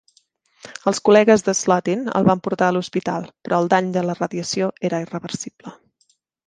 Els col·legues de Slotin el van portar a l'hospital, però el dany de la radiació era irreversible.